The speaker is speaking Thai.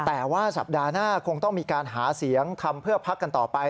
แต่ว่าสัปดาห์หน้าคงต้องมีการหาเสียงทำเพื่อพักกันต่อไป